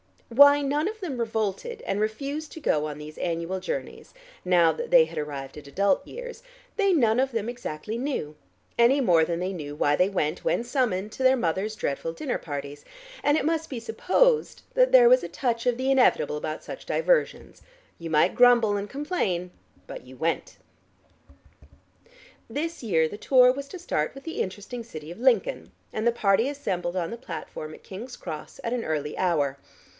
Why none of them revolted and refused to go on these annual journeys, now that they had arrived at adult years, they none of them exactly knew, any more than they knew why they went, when summoned, to their mother's dreadful dinner parties, and it must be supposed that there was a touch of the inevitable about such diversions: you might grumble and complain, but you went. This year the tour was to start with the interesting city of Lincoln and the party assembled on the platform at King's Cross at an early hour.